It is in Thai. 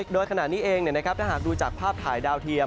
โดยขณะนี้เองถ้าหากดูจากภาพถ่ายดาวเทียม